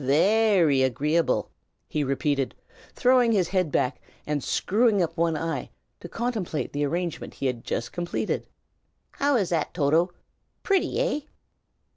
Ve ry agreeable!" he repeated, throwing his head back, and screwing up one eye, to contemplate the arrangement he had just completed. "How is that, Toto; pretty, eh?"